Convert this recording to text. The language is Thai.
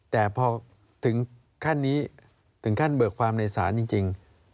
แต่พอถึงขั้นนี้ถึงขั้นเบิกความในศาลจริง